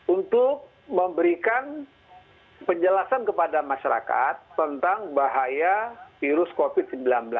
untuk memberikan penjelasan kepada masyarakat tentang bahaya virus covid sembilan belas